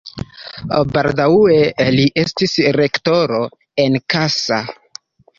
Baldaŭe li estis rektoro en Kassa.